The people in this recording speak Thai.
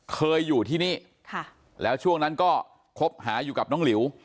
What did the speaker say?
เคยอยู่ที่นี่แล้วช่วงนั้นก็คบหาอยู่กับน้องหลิว